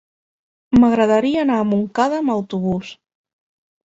M'agradaria anar a Montcada amb autobús.